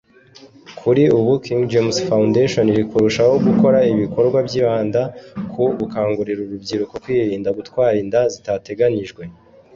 Kuri ubu King James Foundation iri kurushaho gukora ibikorwa byibanda ku gukangurira urubyiruko kwirinda gutwara inda zitateganyijwe